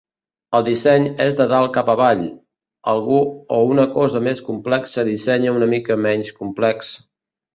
El disseny és de dalt cap avall, algú o una cosa més complexa dissenya una mica menys complex.